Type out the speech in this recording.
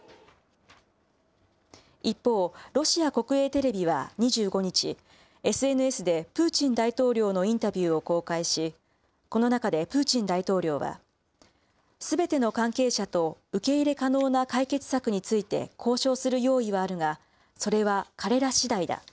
一方、ロシア国営テレビは２５日、ＳＮＳでプーチン大統領のインタビューを公開し、この中でプーチン大統領は、すべての関係者と受け入れ可能な解決策について交渉する用意はあるが、それは彼らしだいだ。